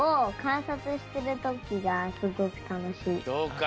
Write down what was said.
そうか。